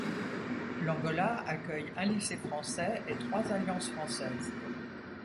L'Angola accueille un lycée français et trois Alliances françaises.